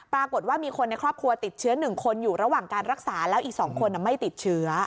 ปรากฏว่ามีคนในครอบครัวติดเชื้อ๑คนอยู่ระหว่างการรักษาแล้วอีก๒คนไม่ติดเชื้อ